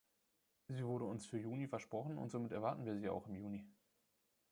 Sie wurde uns für Juni versprochen und somit erwarten wir sie auch im Juni.